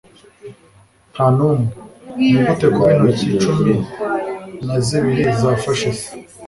nta n'umwe. nigute kuba intoki cumi na zibiri yafashe se